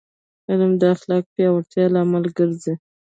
علم د اخلاقي پیاوړتیا لامل ګرځي.